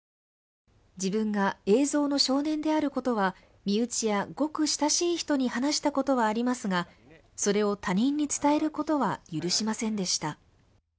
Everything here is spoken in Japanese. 自分が映像の少年であることは身内やごく親しい人に話したことはありますが、それを他人に伝えることは許しませんでした。